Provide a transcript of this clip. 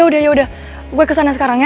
udah yaudah gue kesana sekarang ya